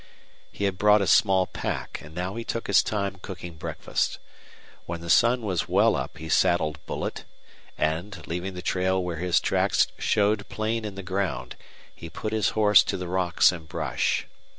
He had brought a small pack, and now he took his time cooking breakfast. When the sun was well up he saddled Bullet, and, leaving the trail where his tracks showed plain in the ground, he put his horse to the rocks and brush.